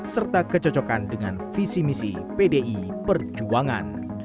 serta kecocokan dengan visi misi pdi perjuangan